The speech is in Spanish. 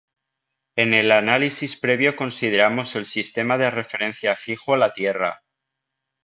En el análisis previo consideramos el sistema de referencia fijo a la Tierra.